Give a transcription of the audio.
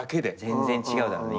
全然違うだろうね